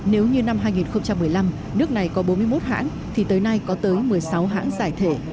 nếu như năm hai nghìn một mươi năm nước này có bốn mươi một hãng thì tới nay có tới một mươi sáu hãng giải thể